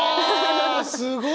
あすごい！